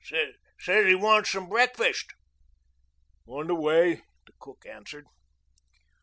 "Says he wants some breakfast." "On the way," the cook answered.